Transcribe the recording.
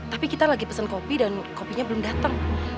tapi kita lagi pesen kopi dan kopinya belum datang